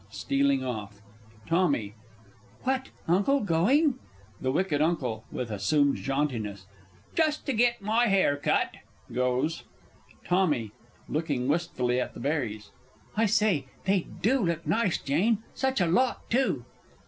[Stealing off. Tommy. What, Uncle, going? The W. U. (with assumed jauntiness). Just to get my hair cut! [Goes. Tommy (looking wistfully at the berries). I say, they do look nice, Jane, such a lot too!